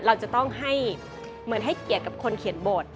เราจะต้องให้เหมือนให้เกียรติกับคนเขียนบท